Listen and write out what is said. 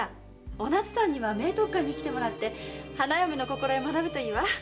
お奈津さんには明徳館に来てもらって花嫁の心得を学ぶといいわ。